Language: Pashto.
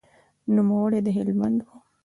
نوموړی د هلمند و.